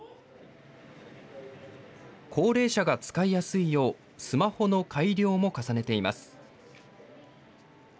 高齢者が使いやすいよう、スマホの改良も重ねています。